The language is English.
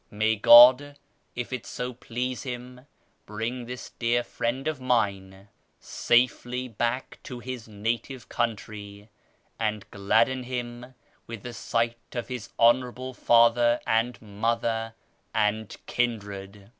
May God, if it so please Him, bring this dear friend of mine safely back to his native country, and gladden him with the sight of his honourable father and mother and kindred